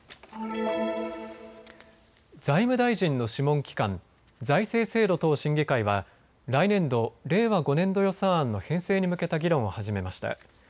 財務大臣の諮問機関、財政制度等審議会は来年度・令和５年度予算案の編成に向けた議論を始めました。